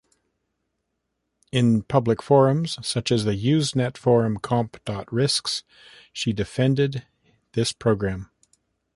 In public forums, such as the Usenet forum comp.risks, she defended this program.